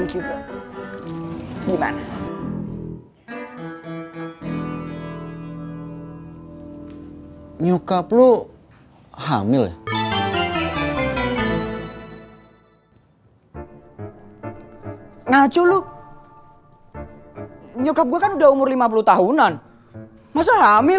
nyokap lu hamil ngaco lu nyokap gue kan udah umur lima puluh tahunan masa hamil